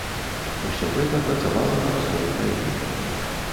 Усё гэта працавала на раскол краіны.